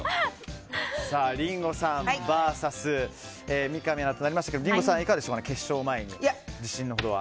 リンゴさんＶＳ三上アナとなりましたけどもリンゴさん、いかがでしょうか決勝前に自信のほどは。